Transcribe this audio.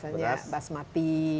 mereka biasanya basmati